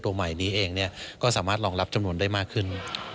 ใหม่นี้เองก็สามารถรองรับจำนวนได้มากขึ้น